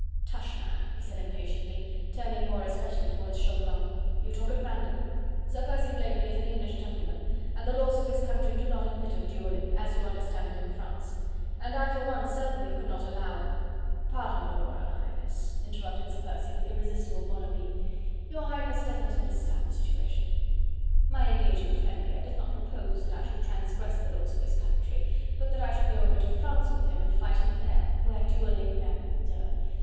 "Tush, man!" he said impatiently, turning more especially towards Chauvelin, "you talk at random. Sir Percy Blakeney is an English gentleman, and the laws of this country do not admit of duelling, as you understand it in France; and I for one certainly could not allow..." "Pardon, your Royal Highness," interrupted Sir Percy with irresistible bonhomie, "your Highness does not understand the situation. My engaging friend here does not propose that I should transgress the laws of this country, but that I should go over to France with him, and fight him there, where duelling and... er...